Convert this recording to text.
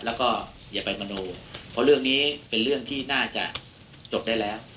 แล้วก็อย่าไปมโนเพราะเรื่องนี้เป็นเรื่องที่น่าจะจบได้แล้ว